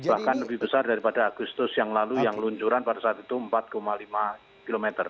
bahkan lebih besar daripada agustus yang lalu yang luncuran pada saat itu empat lima km